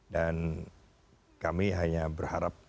dan kami hanya berharap